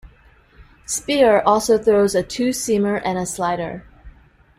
Speier also throws a two-seamer and a slider.